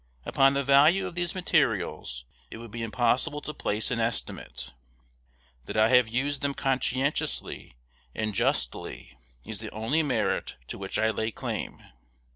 Upon the value of these materials it would be impossible to place an estimate. That I have used them conscientiously and justly is the only merit to which I lay claim.